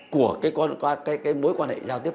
của cái mối quan hệ giao tiếp